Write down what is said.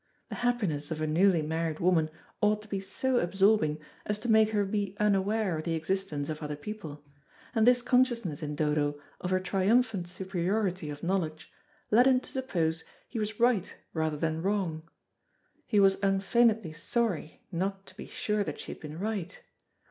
The happiness of a newly married woman ought to be so absorbing, as to make her be unaware of the existence of other people; and this consciousness in Dodo of her triumphant superiority of knowledge, led him to suppose he was right rather than wrong. He was unfeignedly sorry not to be sure that she had been right.